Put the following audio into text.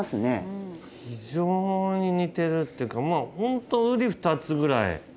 非常に似てるっていうかホントうり二つぐらい。